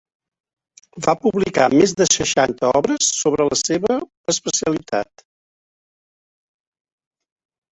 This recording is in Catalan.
Va publicar més de seixanta obres sobre la seva especialitat.